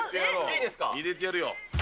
入れてやるよ。